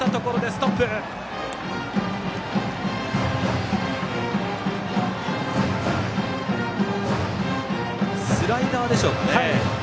スライダーでしょうかね。